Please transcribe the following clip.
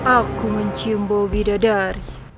aku mencium bau bidadari